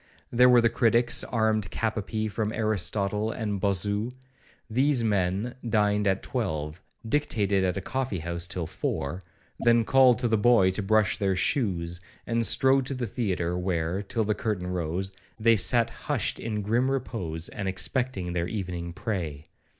There were the critics armed cap a pee from Aristotle and Bossu; these men dined at twelve, dictated at a coffee house till four, then called to the boy to brush their shoes, and strode to the theatre, where, till the curtain rose, they sat hushed in grim repose, and expecting their evening prey.